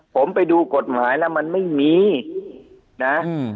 ผมไปดูกฎหมายแล้วมันไม่มีนะ